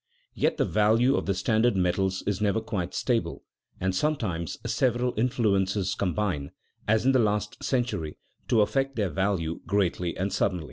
Yet the value of the standard metals is never quite stable, and sometimes several influences combine, as in the last century, to affect their value greatly and suddenly.